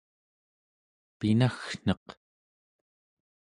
pinaggneq